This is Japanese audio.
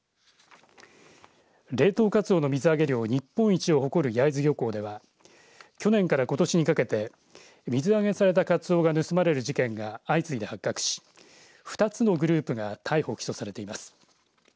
冷凍カツオの水揚げ量日本一を誇る焼津漁港では去年からことしにかけて水揚げされたカツオが盗まれる事件が相次いで発覚し２つのグループが逮捕・起訴されています。